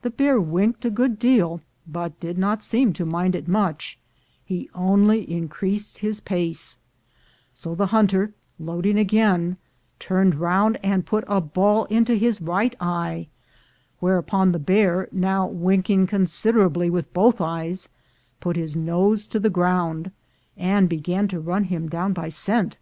The bear winked a good deal, but did not seem to mind it much — he only increased his pace; so the hunter, loading again, turned round and put a ball into his right eye; whereupon the bear, now winking considerably with both eyes, put his nose to the ground, and began to run him down by scent.